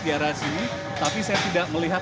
di arah sini tapi saya tidak melihat